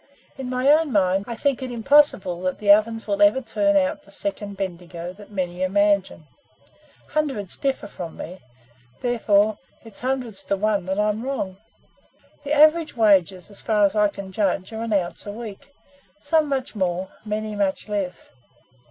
In my own mind, I think it impossible that the Ovens will ever turn out the second Bendigo that many imagine. Hundreds differ from me, therefore it's hundreds to one that I'm wrong. The average wages, as far as I can judge, are an ounce a week; some much more, many much less.